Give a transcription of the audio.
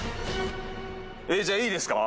えっじゃあいいですか？